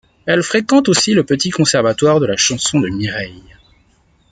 Elle fréquente aussi le Petit Conservatoire de la chanson de Mireille.